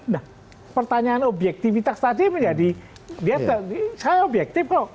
nah pertanyaan objektifitas tadi menjadi saya objektif kok